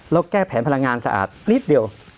แล้วแก้แผนพลังงานสะอาดนิดเดียว